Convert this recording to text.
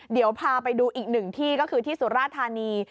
เดี๋ยวพาไปดูอีกหนึ่งที่ก็คือที่สุราธานี